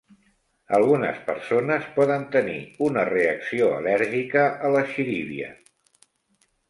Algunes persones poden tenir una reacció al·lèrgica a la xirivia.